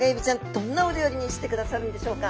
どんなお料理にしてくださるんでしょうか？